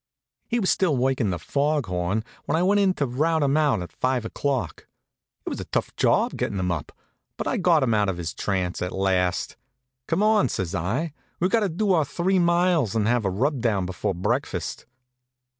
He was still workin' the fog horn when I went in to rout him out at five o'clock. It was a tough job gettin' him up, but I got him out of his trance at last. "Come on," says I, "we've got to do our three miles and have a rub down before breakfast."